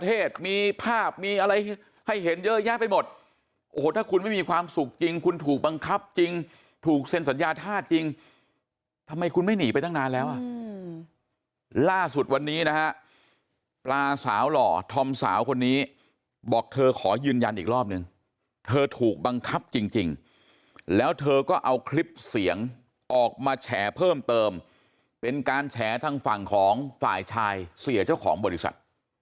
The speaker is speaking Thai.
เยอะแยะไปหมดโอ้โหถ้าคุณไม่มีความสุขจริงคุณถูกบังคับจริงถูกเซ็นสัญญาธาตุจริงทำไมคุณไม่หนีไปตั้งนานแล้วอ่ะล่าสุดวันนี้นะฮะปลาสาวหล่อธอมสาวคนนี้บอกเธอขอยืนยันอีกรอบนึงเธอถูกบังคับจริงแล้วเธอก็เอาคลิปเสียงออกมาแฉเพิ่มเติมเป็นการแฉทางฝั่งของฝ่ายชายเสียเจ้าของบริษัท